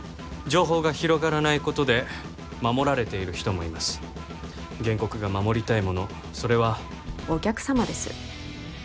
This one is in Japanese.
情報が広がらないことで守られている人もいます原告が守りたいものそれはお客様です